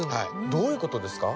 どういう事ですか？